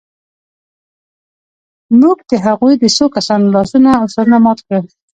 موږ د هغوی د څو کسانو لاسونه او سرونه مات کړل